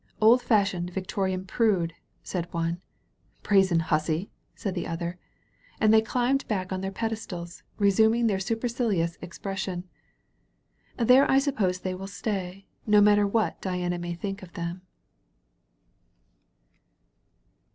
"Old fashioned, Victorian prude!" said one. "Brazen hussy!" said the other. And they climbed back on their Pedestals, resuming their supercilious expression. There I suppose they will stay, no matter what Diana may think of them.